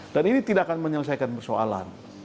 dan ini tidak akan menyelesaikan persoalan